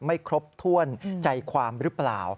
ไม่ครบถ้วนใจความหรือเปล่า